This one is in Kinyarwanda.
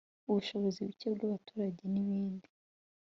ubushobozi buke bw’ abaturage n’ ibindi